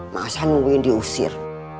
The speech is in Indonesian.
masa nungguin diusir